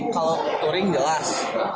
kalau touring jelas